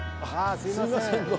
すいません！